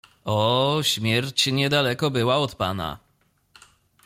"O, śmierć niedaleko była od pana."